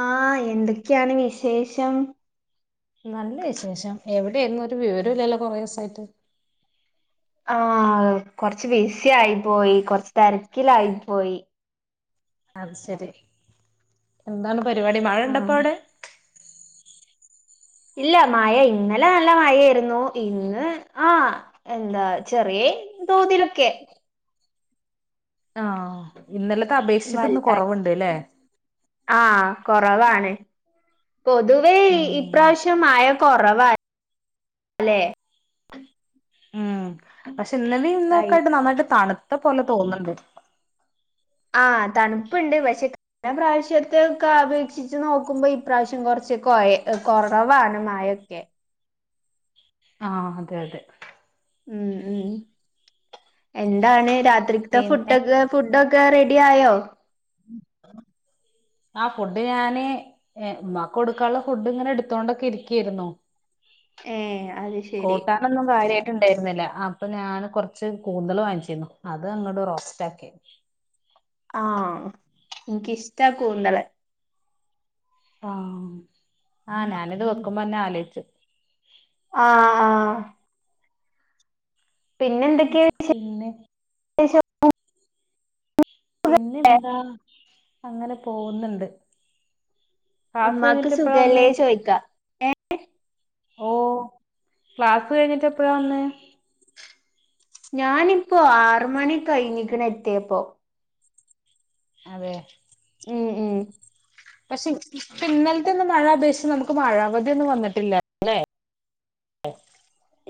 ആഹ എന്തൊക്കെയാണ് വിശേഷം നല്ല വിശേഷം എവിടെയന്ന ഒരു വിവര ഇല്ലല്ലോ കുറേ ദിവസമായിട്ട് ആ കൊറച്ച് ബിസി ആയി പോയി കൊറച്ച് തിരക്കിലായി പോയി അത് ശരി എന്താണ് പരിപാടി മഴ ഉണ്ടപ്പോ ആഹ് അവിടെ ഇല്ല മഴ ഇന്നലെ നല്ല മഴയായിരുന്നു ഇന്ന് ആ എന്താ ചെറിയ തോതിലൊക്കെ ആഹ ഇന്നലത്തെ അപേക്ഷിച്ചിട്ട്ന്ന് കുറവുണ്ട് അല്ലേ ആഹ കുറവാണ് പൊതുവേ ഉം ഇപ്രാവശ്യം മഴ കുറവ അല്ലെ ഉം പക്ഷെ ഇന്നലെയ കഴി ഇന്നൊക്കൊയിട്ട് നന്നായിട്ട് തണുത്ത പോലെ തോന്നണ്ട് ആഹ് തണുപ്പുണ്ട് പക്ഷെ പിന്നെ പ്രാവശ്യത്തെ ഒക്കെ അപേക്ഷിച്ച് നോക്കുമ്പോ ഈ പ്രാവശ്യം കുറച്ച് കൊ കുറവാണമഴയൊക്കെ ആഹ് അതെ അതെ ഉം ഉംഎന്താണ് രാത്രിത്തെ പിന്നെ ഫുഡൊക്കെ ഫുഡൊക്കെ റെഡി ആയോ [inaudible] ആഹ് ഫുഡ് ഞാന് ഏഹ് ഉമ്മാക്ക് കൊടുക്കാനുള്ള ഫുഡ് ഇങ്ങനെ എടുത്തോണ്ടൊക്കെ ഇരിക്കായിരുന്നു ഏ അത് [unintelligible] ശരി കാര്യമായിട്ട് ഉണ്ടായിരുന്നില്ല അപ്പൊ [unintelligible] ഉണ്ടായിരുന്നില്ല അപ്പൊ ഞാന് കൊറച്ച് കൂന്തൽ വാങ്ങിച്ചിരുന്നു അത് അങ്ങോട്ട് റോസ്റ്റ് ആക്കി ആഹ് എനിക്കിഷ്ടാ കൂന്തള് ആഹ് ആ ഞാനിത് വെക്കുമ്പോന്നെ ആലോചിച്ചു ആഹ് പിന്നെ ഉം എന്തൊക്കെ പിന്നെ [unintelligible] പിന്നെന്താ അങ്ങനെ പോകുന്നുണ്ട് ക്ലാസ് ഉമ്മാക്ക് കഴിഞ്ഞിട്ട് ഇപ്പഴാ വന്നേ [unintelligible] ഓഹ് ക്ലാസ് കഴിഞ്ഞിട്ട് എപ്പഴാ വന്നെ ഞാനിപ്പോ ആറ് മണി കഴിഞ്ഞിക്ക്ണ് എത്തിയേപ്പോ അതെ ഉം ഉം പക്ഷെ പ്പ ഇന്നൽത്തേന്നും മഴ അപേക്ഷിച്ച് നമുക്ക് മഴ അവധിയൊന്നും വന്നിട്ടില്ല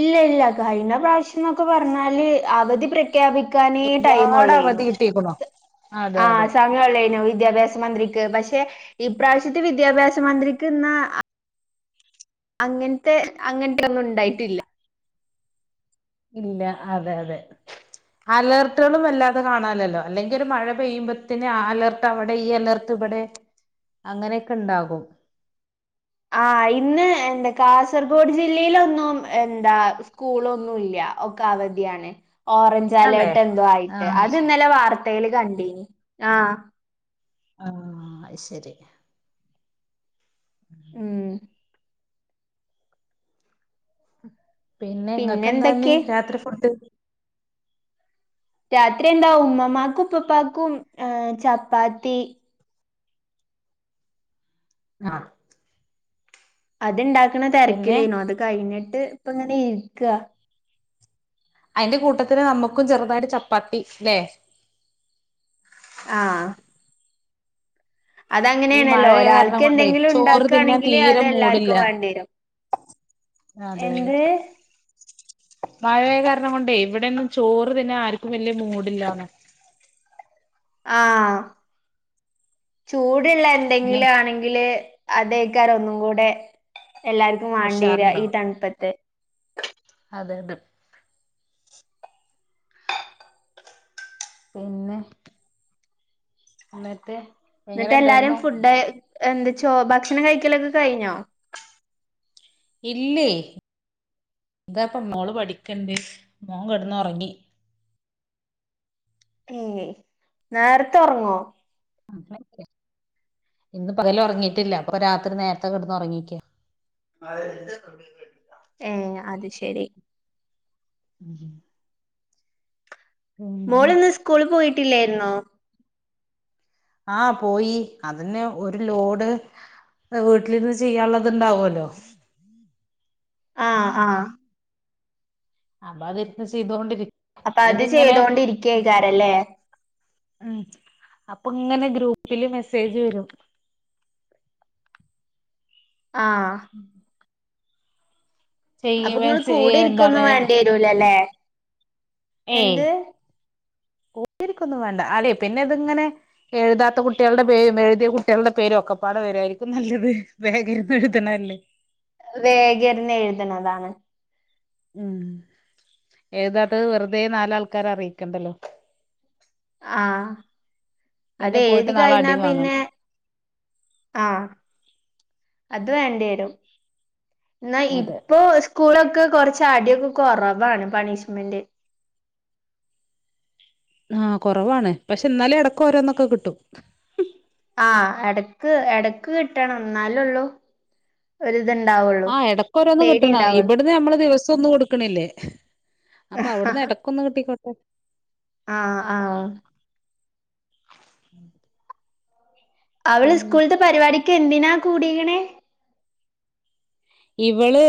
ഇല്ല ഇല്ല കഴിഞ്ഞ പ്രാവശ്യം എന്നൊക്കെ പറഞ്ഞാല് അവധി പ്ര ഖ്യാപിക്കാനെ ടൈം ഒരുപാട് ഒള്ളേനു അവധി കിട്ടിയേക്കണു അതെ ആഹ് അതെ സമയ ഒള്ളേനു വിദ്യാഭ്യാസ സ മന്ത്രിക്ക് പക്ഷെ ഇപ്രാവശ്യത്തെ വിദ്യാഭ്യാസ മന്ത്രിക്ക്ന്നാ അങ്ങൻത്തെ അങ്ങൻത്തെ ഒന്നും ഇണ്ടായിട്ടില്ല ഇല്ല അതെ അതെ അലേർട്ട്കളും വല്ലാതെ കാണാൻല്ലല്ലോ അല്ലെങ്കിൽ ഒരു മഴ പെയ്യുമ്പത്തിന് ആ അലർട്ട് അവ്ടെ ഈ അലർട്ട് ട്ട് ഇബടെ അങ്ങനെക്കെ ഇണ്ടാകും ആഹ് ഇന്ന് എന്ത കാസർഗോഡ് ജില്ലീലൊന്നും എന്താ സ് സ്കൂളൊന്നുംല്ല ഒക്കെ അവധിയാണ് ഓറഞ് ഞ്ച് അതെ അലേർട്ട് എന്തോ ആയിട്ട് ആഹ് അത് ഇന്നലെ വാർത്തേൽ കണ്ടീനി ആഹ് ആഹ് അയ് ശരി ഉം പിന്നെ ഇങ്ങക്ക് എന്താഞ്ഞി രാത്രി ഫുഡ് രാത്രി എന്താ ഉമ്മമാക്കും ഉപ്പപ്പാക്കും ഏഹ് ചപ്പാത്തി ആഹ് അത്ണ്ടാക്ക്ണെ പിന്നെ തെരക്കിലേനു അത് കഴിഞ്ഞിട്ട് ഇപ്പ ഇങ്ങനെ ഇരിക്കാ അതിന്റെ കൂട്ടത്തില് നമ്മക്കും ചെറുതായിട്ട് ചപ്പാത്തി ലെ ആഹ് ഈ അതങ്ങനെയാണല്ലോ മഴയായ കാരണം ഒരാൾക്ക് കൊണ്ടേ എന്തെങ്കിലും ചോറ് തിന്നാൻ ഉണ്ടാക്കുകയാണെങ്കില് അത് തീരെ മൂഡില്ല എല്ലാർക്കും വേണ്ടി വരും അതെയതെ എന്ത് മഴയായ കാരണം കൊണ്ടേ ഇവിടെന്നും ചോറ് തിന്നാൻ ആർക്കും വല്യ മൂടില്ലാന്ന് ആഹ് ചൂടില്ലേ അങ്ങനെ എന്തെങ്കിലും ആണെങ്കില് അതെയ്ക്കാരം ഒന്നും കൂടെ എല്ലാർക്കും വാണ്ടിയെരാ ഈ ഉഷാറുണ്ടാവും തൺപ്പത്ത് അതെ അത് പിന്നെ ഇന്നട്ട് ഇന്നട്ട് എല്ലാരും ഫുഡ് എന്ത് ചോ ഭക്ഷണം കഴിക്കലൊക്കെ കഴിഞ്ഞോ ഇല്ലേ ഇതാ ഇപ്പൊ മോള് പഠിക്ക്ണ്ട് മോൻ കെടന്ന് ഒറങ്ങി ഏഹ് നേർത്തെ ഒർങ്ങോ [inaudible] ഇന്ന് പകല് ഒർങ്ങീറ്റില്ല അപ്പ രാത്രി നേരത്തെ കെടന്ന് ഒറങ്ങീക്കാ ഏഹ് അത് ശെരി [inaudible] പിന്നെ മോള്ന്ന് സ്കൂള് പോയിട്ടില്ലെയിരുന്നോ? ആഹ് പോയി അതന്നെ ഒരു ലോഡ് വീട്ട്ലിര്ന്ന് ചെയ്യാൻള്ളത്ണ്ടാവു അല്ലോ ആഹ് ആഹ് അപ്പ അതിര്ന്ന് ചെയ്തോണ്ടിരി അപ്പ അത് ചെയ്തോണ്ടിരിക്കയ്ക്കാരല്ലേ? ഉം അപ്പ ഇങ്ങനെ ഗ്രൂപ്പില് മെസ്സേജ് വെരും ആഹ് ഉം അപ്പ ഇങ്ങള് മെസ്സേജ് കൂടെ ഇരിക്കൊന്നും എന്താണ് വേണ്ടി വരൂലലെ. ഏയ് കൂട്ടിരിക്കൊന്നും വേണ്ട അലെയ് പിന്നെ ഇത്ങ്ങനെ എഴുതാത്ത കുട്ടികളുടെ പേരും എഴുതിയ കുട്ടികളുടെ പേരും ഒക്കെപ്പാടെ വരായിരിക്കും നല്ലത് വേഗന്ന് എഴുതണാ വേഗരിന്ന് എഴുതന്നതാണ് ഉം ഏതാത് വെറുതെ നാലാൾക്കാരെ അറിയിക്കണ്ടല്ലോ ആഹ് അത് പിന്നെ പോയിട്ട് എഴുതി നാളെ കഴിഞ്ഞാ അടിയും പിന്നെ വാങ്ങണം ആഹ അത് വേണ്ടി വരും എന്നാ അതെ ഇപ്പൊ സ്കൂളൊക്കെ കൊറച്ച് അടിയൊക്കെ കുറവാണ് പണിഷ്മെന്റ് ആഹ് കുറവാണ് പക്ഷെ എന്നാലും ഇടക്ക ഓരോന്നൊക്കെ കിട്ടും ആ എടക്ക് എടക്ക് കിട്ടണം എന്നാലള്ളൂ ഒരിതുണ്ടാവുള്ളൂ ആ എടക്ക് ഓരോന്ന് കിട്ടണ ഇവെട്ന്ന് നമ്മള് ദിവസോന്ന് കൊട് ക്ക്ണില്ലേ അപ്പ അവ്ട്ന്ന് എടക്കൊന്ന് കിട്ടിക്കോട്ടെ. ആഹ് ആഹ് അവള് പിന്നെ സ്കൂളത്തെ പരിപാടിക്ക് എന്തിനാ കൂടിക്കണെ ഇവള്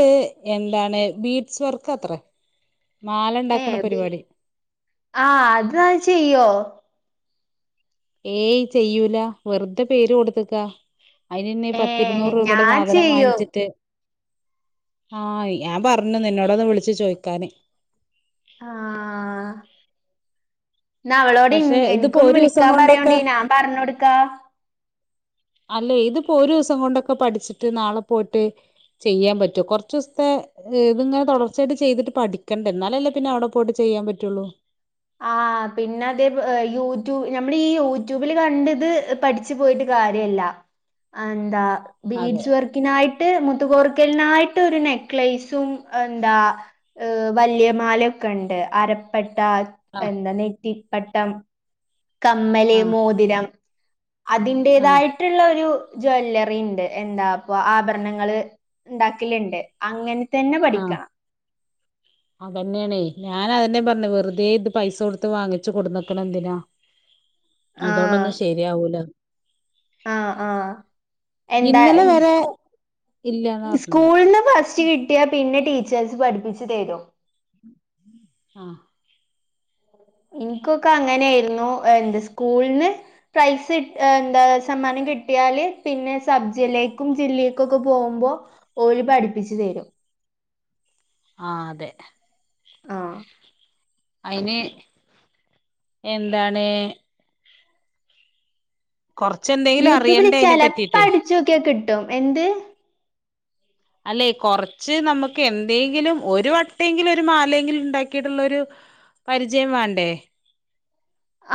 എന്താണ് ബീറ്റ്സ് വർക്ക് അത്രേ മാല ഇണ്ടാക്കണ ഏഹ് ബി പരിപാടി ആഹ് അത് ചെയ്യോ ഏയ് ചെയ്യൂല വെറുതെ പേര് കൊടുത്തക്കാ അതിന്ന്നെ ഏഹ് പത്തിരുന്നൂറ് രൂപയുടെ ഞാൻ സാധനം ചെയ്യും വാങ്ങിച്ചിട്ട് ആഹ് ഞാൻ പറഞ്ഞു നിന്നടൊന്ന് വിളിച്ചു ചോദിക്കാന് ആഹ എന്ന അവളോട് പക്ഷെ ഇതിപ്പോ എനിക്കൊന്ന് ഒരുസം വിളിക്കാൻ കൊണ്ടൊക്കെ പറയോണ്ടേന പറഞ്ഞൊടുക്ക അല്ലേ ഇതിപ്പോ ഒരു ദിവസം കൊണ്ടൊക്കെ പഠിച്ചിട്ട് നാളെ പോയിട്ട് ചെയ്യാൻ പറ്റൂ കുറച്ച ദിവസത്തെ ഏ ഇത് ഇങ്ങനെതൊടർച്ചായി് ചെയ്ട്ട് പഠിക്കണ്ട എന്നാലല്ലേ പിന്നെ അവിടെ പോയിട്ട് ചെയ്യാൻ പറ്റുള്ളൂ ആ പിന്നെ അതേ യൂട്യൂബ് ഞമ്മൾ ഈ യൂട്യൂബിൽ കണ്ടത് പഠിച്ചു പോയിട്ട് കാര്യല്ല എന്താ അതെ ബീഡ്സ് വർക്ക് നായിട്ട് മുത്തുകോർക്കലിനായിട്ട് ഒരു നെക്ലൈസും എന്താ ഏ വലിയമാലൊക്കെ ഉണ്ട് അരപ്പട്ട ആ എന്താ നെറ്റിപ്പട്ടം കമ്മല് ആഹ് മോതിരം ആഹ് അതിന്റേതായി മറ്റുള്ള ഒരു ജ്വല്ലറി ഉണ്ട് എന്താ അപ്പ ആഭരണങ്ങള് ഉണ്ടാക്കലുണ്ട് അങ്ങനെ തന്നെ ആഹ് പഠിക്കാ അതന്നെയാണേ ഞാൻ അതെന്നെ പറഞ്ഞു വെറുതെ ഇത് പൈസ കൊടുത്ത് വാങ്ങിച്ചു കൊടുന്നക്കണ എന്തിനാ [inaudible] ആഹ് അതുകൊണ്ടൊന്നും ശരിയാവൂല ആഹ് ആഹ എന്താഈ ഇന്നലെ വരെ ഇല്ലാന്ന് പറഞ്ഞിന്ന് സ്കൂളന്ന് ഫസ്റ്റ് കിട്ടിയാ പിന്നെ ടീച്ചേഴ്സ് പഠിപ്പിച്ചു തരോ ആഹ് എനിക്കൊക്കെ അങ്ങനെയായിരുന്നു എന്ത് സ്കൂളന്ന് പ്രൈസ് എന്താ സമ്മാനം കിട്ടിയാല് പിന്നെ സബ്ജില്ലേക്കും ജില്ലേക്കും ഒക്കെ പോകുമ്പോ ഓലു പഠിപ്പിച്ചു തരും ആഹ് അതെ ആഹ് അയിന് എന്താണ് കുറച്ച് ന്തേ യൂട്യൂബില് ചെലപ്പോ അടിച്ചോക്കിയ കിട്ടും എന്ത് അല്ലെ കൊറച്ച് നമുക്ക് എന്തെങ്കിലും ഒരു വട്ടയെങ്കിലും ഒരു മാലയെങ്കിലും ഉണ്ടാക്കിയിട്ടുള്ളരു പരിചയം വേണ്ടേ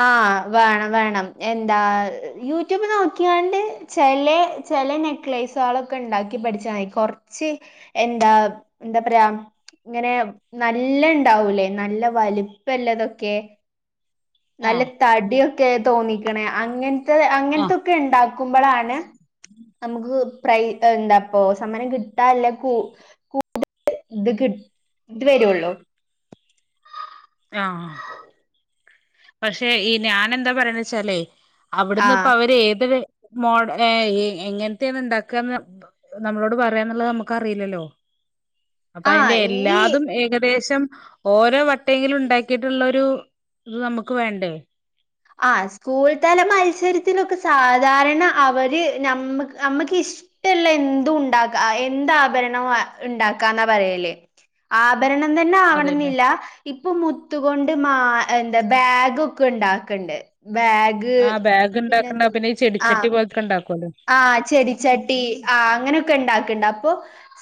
ആഹ് വേണം വേണം എന്താ യൂട്യൂബ് നോക്കിയണ്ട് ചെലെ ചെലെ നെക്ലേസുകളൊക്കെ ഉണ്ടാക്കി പഠിച്ച തി കുറച്ച് എന്താ എന്താപറയാ ഇങ്ങനെ നല്ല ഇണ്ടാവൂലേ നല്ല വലിപ്പയുള്ളതൊക്കെ നല്ല ആഹ് തടിയൊക്കെ തോന്നിക്കണേ അങ്ങന ത് ആഹ് അങ്ങനത്തൊക്കെ ഉണ്ടാക്കുമ്പഴാണ് നമുക്ക് പ്രൈ എന്താപ്പോ സമരം കിട്ടാല്ല കൂ ഇത് കിട് ഇത് വരുള്ളൂ ആഹ് പക്ഷെ ഈ ഞാനെന്താ പറയന്ന് വെച്ചാലേ ആഹ് അവിടുന്ന്പ്പവര് ഏത് വേ മോഡ് എ ഏ ഈ എങ്ങൻത്തെയാണ് ഉണ്ടാക്കാന്ന് നമ്മളോട് പറയാന്ന്ള്ളത് നമ്മക്കറീലല്ലോ അപ്പയ്ന്റെ ആഹ് ഈ എല്ലാതും ഏകദേശം ഓരോ വട്ടെങ്കിലും ണ്ടാക്കിട്ടുള്ളൊരു ഇത് നമ്മുക്ക് വേണ്ടേ ആ സ്കൂൾ തല മത്സരത്തിലൊക്കെ സാധാരണ അവര് നമ്മ നമ്മക്ക് ഇഷ് ട്ടിള്ളെ എന്തുണ്ടാക ആ എന്താഭരണം ഇണ്ടാക്കാന്നാ പറയല് ആ ഭരണം തന്നെ ആവണം അതന്നെ ന്നില്ല. ഇപ്പ മുത്തുകൊണ്ട് മാ എന്താ ബേഗ് ഒക്കെണ്ടാ ക്ക്ണ്ട് ബാഗ് ആഹ് ബാഗ് ഉണ്ടാക്കണ്ട്. പിന്നെന്താ പിന്നെ ഈ ആ ചെടിച്ചട്ടി പോലെക്കെ ഉണ്ടാക്കുല്ലോ. ആഹ് ചെടിച്ചട്ടി ആഹ് അങ്ങനൊക്കെണ്ടാക്ക്ണ്ടപ്പൊ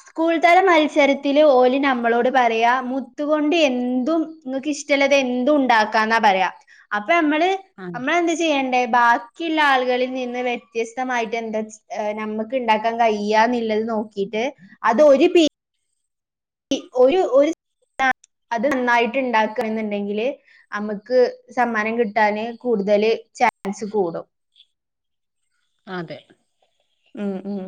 സ്കൂൾ തല മത്സരത്തില് ഓല് നമ്മളോട് പറയാ മുത്തുകൊണ്ട് എന്തും ങ്ങക്ക് ഇഷ്ടള്ളത് എന്തുണ്ടാക്കാന്നാ പറയാ, അപ്പഞമ്മള് ആ അമ്മളെന്തചെയ്യണ്ടേ ബാക്കില്ലാളുകളിൽ നിന്ന് വ്യത്യസ് തസ്‌തമായിട്ട് എന്താ നമ്മക്ക്ണ്ടാക്കാൻ കഴിയാന്ന്ള്ളത് നോക്കിട്ട് അതൊര് പി ടി ഒരു ഒരു അത് നന്നായിട്ട് ഉണ്ടാക്കുക എന്നുണ്ടെങ്കില് അമ്മക്ക് സമ്മാനം കിട്ടാന് കൂടുതല് ചാൻസ് കൂടും അതെ ഉം ഉം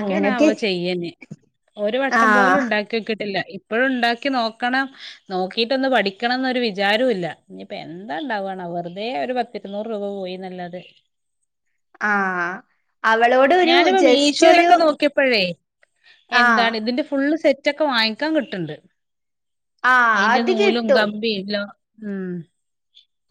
അങ്ങനൊക്കെ ചെയ്യഞ്. ഒരു വട്ടം ആഹ് പോലുംണ്ടാക്യോക്കിട്ടില്ല പ്പളുംണ്ടാക്കി നോക്കണം, നോക്കിട്ടൊന്ന് പഠിക്കണംന്നൊരു വിചാരൂല്ല ഞ്ഞി പ്പഎന്താ ണ്ടാവുണാവോ വെറുതെ ഒരു പത്ത് ഇരുനൂറ് രൂപ പോയിന്നല്ലാതെ ആഹ് അവളോട് ഒരു ഞാനിപ്പോ ജസ്റ്റ് ഒരു മീശോയിലൊക്കെ നോക്കിയപ്പഴേ ആഹ് എന്താണ് തിന്റെ ഫുള്ള് സെ റ്റൊക്കെ വാങ്ങിക്കാൻ കിട്ട്ണ്ട്. ആഹ് അയ്ന്റെ അത് നൂലും കിട്ടും കമ്പിം ലോ ഉം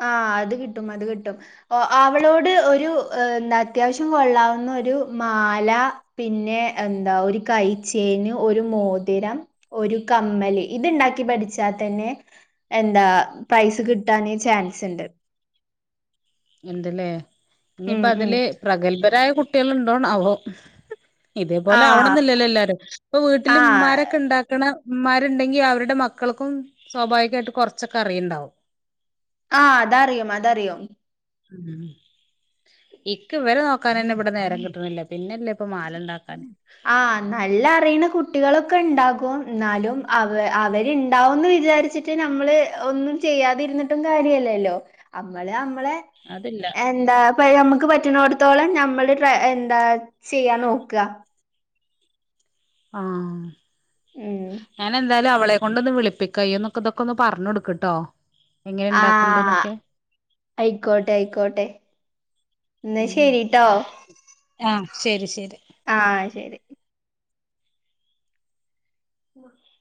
ആഹ് അത്കിട്ടും അത്കിട്ടും ഓ അവളോട് ഒരു എന്താ അത്യാവശ്യം കൊള്ളാവുന്നൊരു മാല പിന്നെ എന്താ ഒരു കൈചെയിന് ഒരു മോതിരം ഒരു കമ്മല് ഇത്ണ്ടാക്കി പഠിച്ചാ തന്നെ എന്താ പ്രൈസ് കിട്ടാന് ചാൻസ്ണ്ട് ഇണ്ട് ലേ.. ഉം ഉം ഇന്നിപ്പതില് പ്രഗത്ഭരായ കുട്ട്യൾ ഉണ്ടോണാവോ ഇതേപോലെ ആഹ് ആവണംന്നില്ലല്ലോ എല്ലാരും. പ്പൊ ആഹ് വീട്ടില്മ്മാരൊക്കെ ണ്ടാക്ക്ണ ഇമ്മാരുണ്ടെങ്കി അവരുടെ മക്കൾക്കും സ്വാഭാവികായിട്ട് കൊർച്ചൊക്കെ അറിയ്ണ്ടാവും ആഹ് അതറിയും അതറിയും ഉം ഇക്ക് വരെ നോക്കാനെന്നെ വടെ നേരം കിട്ട്ണില്ല പിന്നല്ലെ പ്പ മാലണ്ടാക്കാന്. ആഹ് നല്ല അറിയ്ണകുട്ടികളൊക്കെ ഉണ്ടാകും. ന്നാലും, അവ അവര്ണ്ടാവുംന്ന് വിചാരിച്ചിട് ട്ട് നമ്മള് ഒന്നും ചെയ്യാതിര്ന്നിട്ടും കാര്യല്ലല്ലോ, അമ്മള് അമ്മളെ അതില്ല. എന്താ പ്പ ഞമ്മക്ക് പറ്റുണോട്ത്തോളം ഞമ്മള് ട്ര എന്താ ചെയ്യാംനോക്ക. ആഹ് ഉം ഞാനെന്തായ് ലു അവളെ കൊണ്ടൊന്ന് വിളിപ്പിക്ക. ഇയ്യൊ ന്ന്ക്കൊതൊക്കൊന്ന് പർഞ്ഞൊട്ക്ക്ട്ടോ. ആഹ് ഐകോട്ടെ ഐക്കോട്ടെ ഉം ആഹ് ശെരി ശെരി. ആഹ് ശരി. മ [unintelligible]